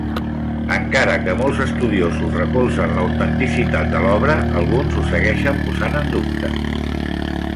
Encara que molts estudiosos recolzen l'autenticitat de l'obra, alguns ho segueixen posant en dubte.